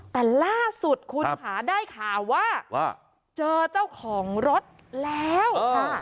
แต่ล่าสุดคุณค่ะได้ข่าวว่าเจอเจ้าของรถแล้วค่ะ